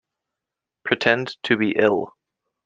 Pretend to be ill.